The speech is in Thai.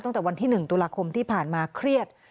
ตั้งแต่วันที่๑ตุลาคมที่ผ่านมาเครียด